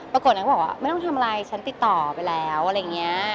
ปรากฏนางก็บอกว่าไม่ต้องทำอะไรฉันติดต่อไปแล้วอะไรอย่างนี้